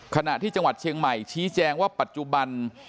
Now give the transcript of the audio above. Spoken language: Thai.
ขณะที่จังหวัดเชียงใหม่ชี้แจงว่าปัจจุบัน